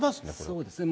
そうですね。